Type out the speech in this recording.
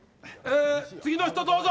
次の人、どうぞ。